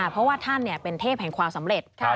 เพราะว่าท่านเป็นเทพแห่งความสำเร็จ